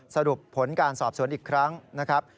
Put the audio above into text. สรุปผลการสอบสวนอีกครั้งนะครับ